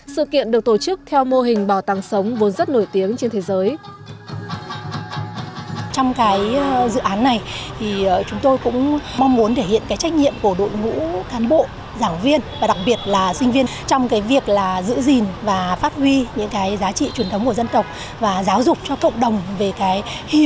sự kiện được tổ chức theo mô hình bảo tàng sống vốn rất nổi tiếng trên thế giới